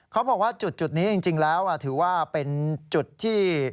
เขาบอกว่าจุดนี้จริงแล้วถือว่าเป็นจุดที่